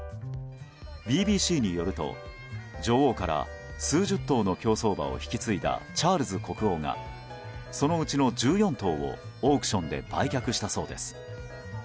ＢＢＣによると、女王から数十頭の競走馬を引き継いだチャールズ国王がそのうちの１４頭をオークションで売却したそうです。